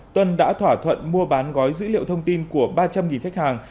tuân đã thỏa thuận mua bán gói dữ liệu thông tin của ba trăm linh khách hàng